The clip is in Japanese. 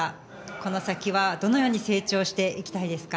この先はどのように成長していきたいですか？